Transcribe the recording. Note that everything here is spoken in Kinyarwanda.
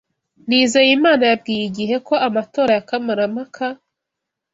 Nizeyimana yabwiye IGIHE ko amatora ya kamarampaka